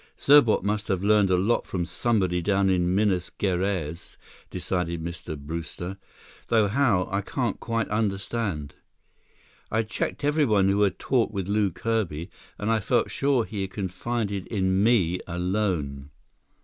"Serbot must have learned a lot from somebody down in Minas Geraes," decided Mr. Brewster, "though how, I can't quite understand. I checked everyone who had talked with Lew Kirby, and I felt sure he had confided in me alone."